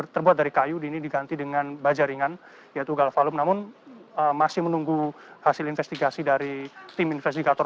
terbuat dari kayu ini diganti dengan baja ringan yaitu galvalum namun masih menunggu hasil investigasi dari tim investigator